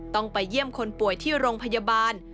ต้องไปเยี่ยมคนป่วยที่โรงพยาบาล